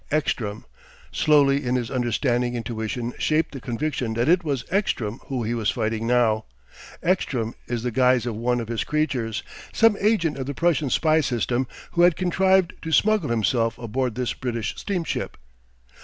Ekstrom!... Slowly in his understanding intuition shaped the conviction that it was Ekstrom whom he was fighting now, Ekstrom in the guise of one of his creatures, some agent of the Prussian spy system who had contrived to smuggle himself aboard this British steamship.